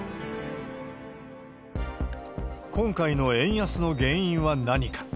今回の円安の原因は何か。